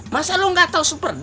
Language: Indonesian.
masa lo nggak tahu super dad